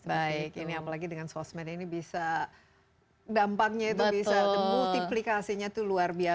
baik ini apalagi dengan sosmed ini bisa dampaknya itu bisa multiplikasinya itu luar biasa